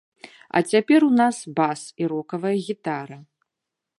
А цяпер у нас бас і рокавая гітара.